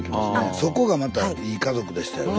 そこがまたいい家族でしたよね。